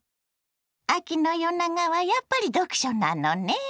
秋の夜長はやっぱり読書なのね。